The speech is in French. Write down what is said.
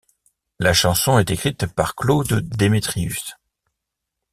La chanson est écrite par Claude Demetrius.